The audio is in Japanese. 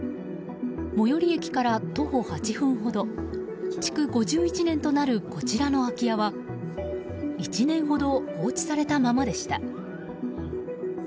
最寄駅から徒歩８分ほど築５１年となるこちらの空き家は１年ほど放置されたままでした。